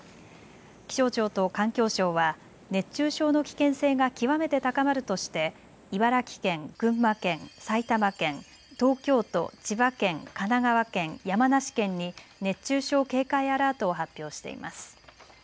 気象庁と環境省は熱中症の危険性が極めて高まるとして茨城県、群馬県、埼玉県、東京都、千葉県、神奈川県、山梨県に熱中症警戒アラートを発表しています。